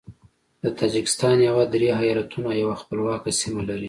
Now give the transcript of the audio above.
د تاجکستان هیواد درې ایالتونه او یوه خپلواکه سیمه لري.